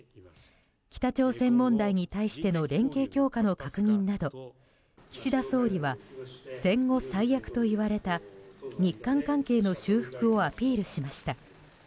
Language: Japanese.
北朝鮮問題に対しての連携強化の確認など岸田総理は戦後最悪といわれた日韓関係の修復をアピールしました。